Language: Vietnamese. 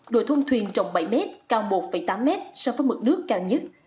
đùa thôn thuyền trọng bảy mét cao một tám mét so với mực nước cao nhất